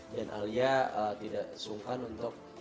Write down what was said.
dan alia ee tidak sungkan untuk